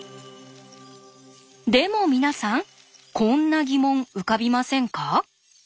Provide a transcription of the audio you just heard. でも皆さんこんな疑問浮かびませんか？